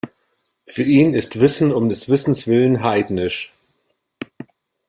Für ihn ist Wissen um des Wissens willen heidnisch.